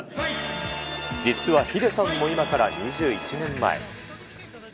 実はヒデさんも今から２１年前。